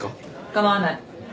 構わない。